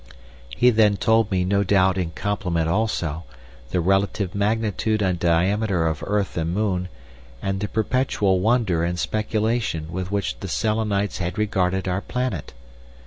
He then told me no doubt in compliment also, the relative magnitude and diameter of earth and moon, and the perpetual wonder and speculation with which the Selenites had regarded our planet.